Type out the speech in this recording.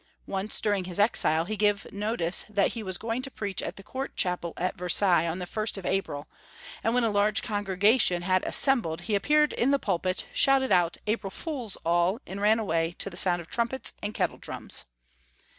Once, during his exile, he gave notice that he was going to preach in the Court Chapel at Versailles on the 1st of Apiil, and when a large congregation had assem* bled he appeared in the pulpit, shouted out, "April fools all I " and ran away, to the sound of trumpets and kettle drums.